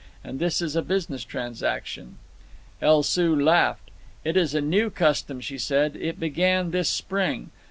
"And this is a business transaction." El Soo laughed. "It is a new custom," she said. "It began this spring.